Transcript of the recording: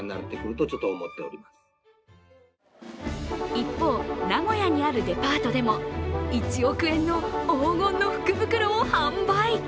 一方、名古屋にあるデパートでも１億円の黄金の福袋を販売。